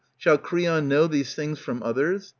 Shall Creon know These things from others?